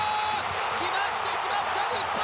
決まってしまった日本。